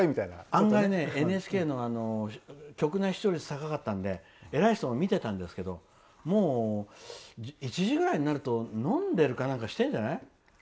案外ＮＨＫの局内視聴率高かったので偉い人が見てたんですけどもう、１時ぐらいになると飲んでるかしてるんじゃない？